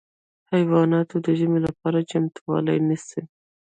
حیوانات د ژمي لپاره چمتووالی نیسي.